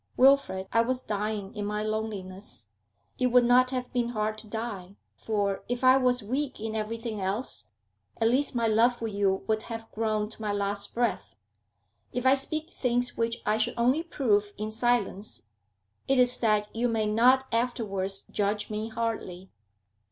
'Wilfrid, I was dying in my loneliness. It would not have been hard to die, for, if I was weak in everything else, at least my love for you would have grown to my last breath. If I speak things which I should only prove in silence, it is that you may not afterwards judge me hardly.'